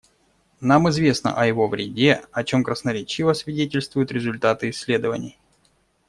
Нам известно о его вреде, о чем красноречиво свидетельствуют результаты исследований.